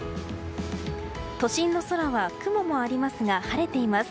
都心の空は雲もありますが晴れています。